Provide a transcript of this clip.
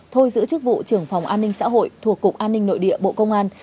thôi giữ chức vụ trưởng phòng an ninh xã hội thuộc cục an ninh nội địa bộ công an